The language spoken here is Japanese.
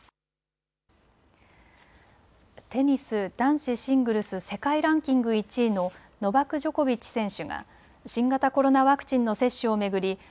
テニス男子シングルス世界ランキング１位のノバク・ジョコビッチ選手が新型コロナワクチンの接種を巡り